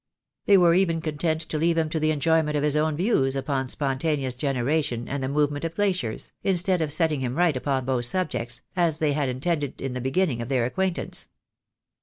They were even content to leave him to the enjoyment of his own views upon spontaneous generation and the movement of glaciers, instead of setting him right upon both subjects, as they had intended in the beginning of their acquaintance.